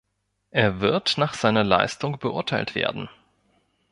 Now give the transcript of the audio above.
Er wird nach seiner Leistung beurteilt werden.